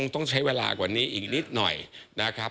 ต้องใช้เวลากว่านี้อีกนิดหน่อยนะครับ